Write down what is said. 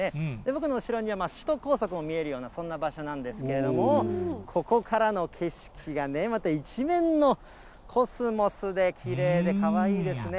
僕の後ろには首都高速も見えるような、そんな場所なんですけれども、ここからの景色がまた一面のコスモスできれいで、かわいいですね。